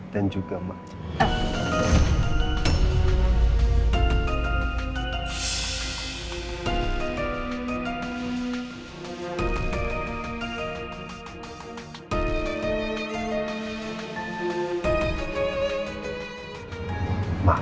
dan juga maksimal